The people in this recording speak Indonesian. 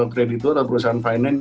kreditur atau perusahaan finance